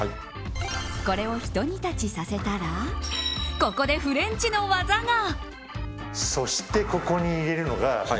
これをひと煮立ちさせたらここでフレンチの技が。